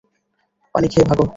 পানি খেয়ে ভাগো।